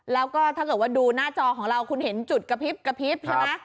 แล้วก็ถ้าเกิดว่าดูหน้าจอของเราคุณเห็นจุดกระพริบกระพริบใช่ไหม